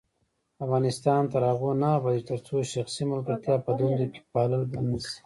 افغانستان تر هغو نه ابادیږي، ترڅو شخصي ملګرتیا په دندو کې پالل بند نشي.